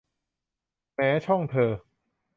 แหม ช่องเธอ